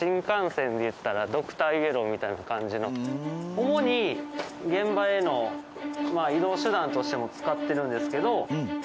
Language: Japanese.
主に現場への移動手段としても使ってるんですけど。